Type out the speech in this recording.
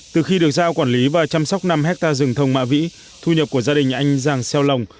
từ khi được giao quản lý và chăm sóc năm hectare rừng thông mã vĩ thu nhập của gia đình anh giang xeo lòng